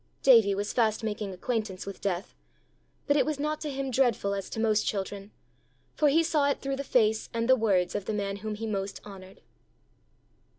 Davie was fast making acquaintance with death but it was not to him dreadful as to most children, for he saw it through the face and words of the man whom he most honoured.